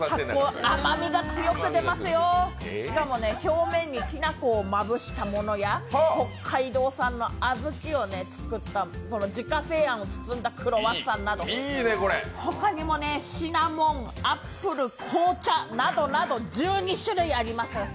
しかもね、表面にきなこをまぶしたものや北海道産の小豆を使った、自家製あんを包んだクロワッサンなど、ほかにもシナモン、アップル、紅茶などなど１２種類あります。